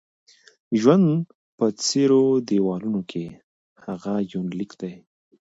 ژوند په څيرو دېوالو کې: هغه یونلیک دی